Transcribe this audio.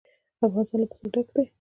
افغانستان له پسه ډک دی.